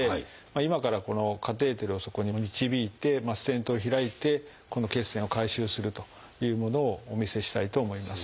今からこのカテーテルをそこに導いてステントを開いてこの血栓を回収するというものをお見せしたいと思います。